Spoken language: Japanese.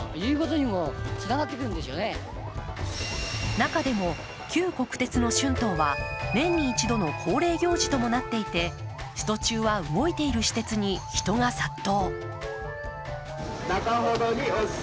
中でも旧国鉄の春闘は年に一度の恒例行事ともなっていてスト中は動いている私鉄に人が殺到。